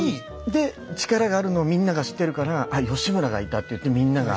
で力があるのをみんなが知ってるからあ義村がいたっていってみんなが。